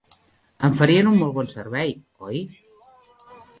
Em farien un molt bon servei, oi?